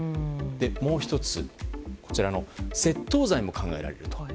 もう１つ、窃盗罪も考えられる。